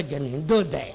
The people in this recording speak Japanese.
どうだい？」。